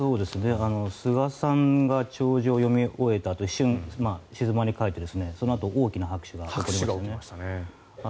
菅さんが弔辞を読み終えたあと一瞬、静まり返ってそのあと大きな拍手が起きましたね。